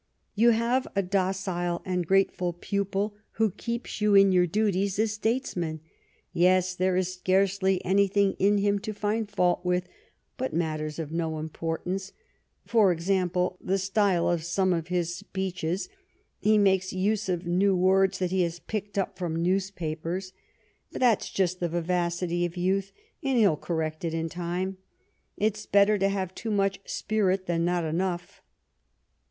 " You have a docile and grateful pupil who helps you in your duties as statesman." "Yes; there is scarcely anything in him to find fault with but matters of no importance : for example, the style of some of his speeches ; he makes use of new words that he has picked up from newspapers. But that's just the vivacity of youth, and he'll correct it in time. It's better to have too much spirit than not enough."